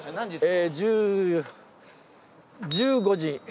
え１５時。